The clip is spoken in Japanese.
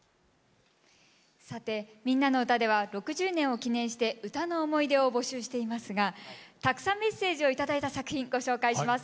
さて「みんなのうた」では６０年を記念して歌の思い出を募集していますがたくさんメッセージを頂いた作品ご紹介します。